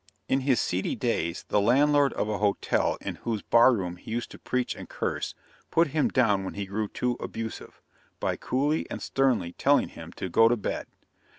In his seedy days the landlord of a hotel in whose bar room he used to preach and curse, put him down when he grew too abusive, by coolly and sternly telling him to go to bed.